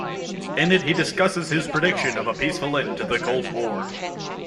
In it he discusses his prediction of a peaceful end to the cold war.